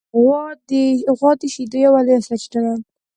غوا د شیدو یوه لویه سرچینه ده.